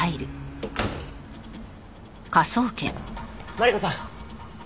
マリコさん。